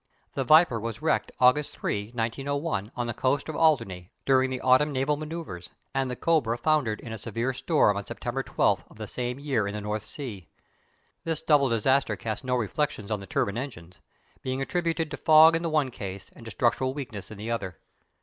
The Viper was wrecked August 3, 1901, on the coast of Alderney during the autumn naval manoeuvres, and the Cobra foundered in a severe storm on September 12 of the same year in the North Sea. This double disaster casts no reflections on the turbine engines; being attributed to fog in the one case and to structural weakness in the other.